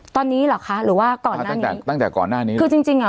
ตอนนี้เหรอคะหรือว่าก่อนมาตั้งแต่ตั้งแต่ก่อนหน้านี้คือจริงจริงอ่ะ